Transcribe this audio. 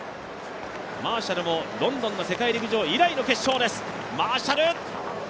マーシャルもロンドンの世界陸上以来の決勝です。